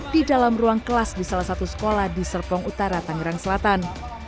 di dalam ruang kelas di salah satu sekolah di serpong utara tangerang selatan